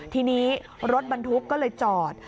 ทีนี้รถบรรทุกก็เลยจอด